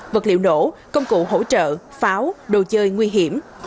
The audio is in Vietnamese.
vật liệu nổ công cụ hỗ trợ pháo đồ chơi nguy hiểm